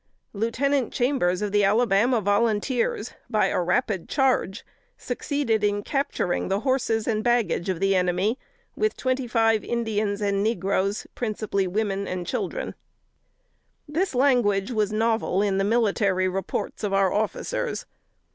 Lieutenant Chambers of the Alabama Volunteers, by a rapid charge, succeeded in capturing the horses and baggage of the enemy, with twenty five Indians and negroes, principally women and children." This language was novel in the military reports of our officers.